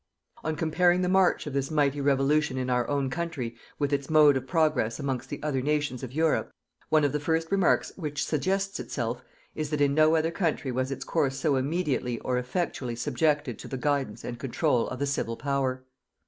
On comparing the march of this mighty revolution in our own country with its mode of progress amongst the other nations of Europe, one of the first remarks which suggests itself is, that in no other country was its course so immediately or effectually subjected to the guidance and control of the civil power.